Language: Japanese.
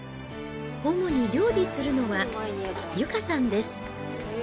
主に料理するのは由佳さんです。